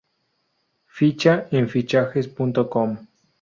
Ficha en Fichajes.com.